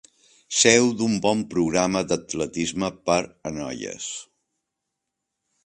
Seu d"un bon programa d"atletisme per a noies.